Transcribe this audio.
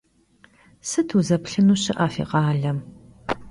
Sıt vuzeplhınu şı'e fi khalem?